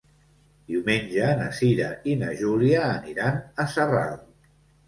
Diumenge na Cira i na Júlia aniran a Sarral.